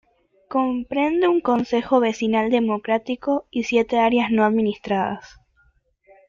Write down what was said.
Comprende un consejo vecinal democrático, y siete áreas no administradas.